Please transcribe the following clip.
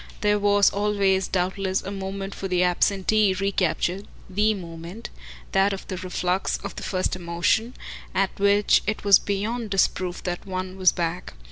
There was always doubtless a moment for the absentee recaptured THE moment, that of the reflux of the first emotion at which it was beyond disproof that one was back.